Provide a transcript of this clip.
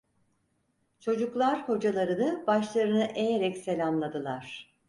Çocuklar hocalarını başlarını eğerek selamladılar.